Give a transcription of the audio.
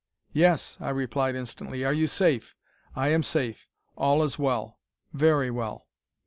"Yes," I replied instantly. "Are you safe?" "I am safe. All is well. Very well.